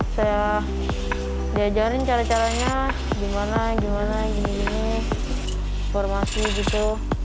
saya diajarin caranya gimana gimana gini gini informasi gitu